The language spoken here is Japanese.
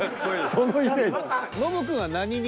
そのイメージ。